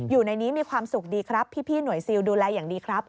อยู่ในนี้มีความสุขดีครับพี่หน่วยซิลดูแลอย่างดีครับ